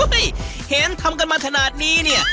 เห็นทำกันมาขนาดนี้เนี่ย